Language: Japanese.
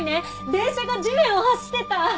電車が地面を走ってた！